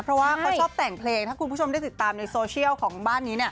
เพราะว่าเขาชอบแต่งเพลงถ้าคุณผู้ชมได้ติดตามในโซเชียลของบ้านนี้